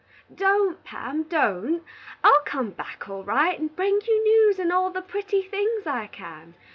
"Don't, Pam, don't! I'll come back all right, and bring you news and all the pretty things I can.